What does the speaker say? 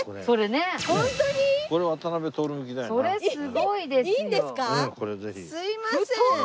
それすごいですよ。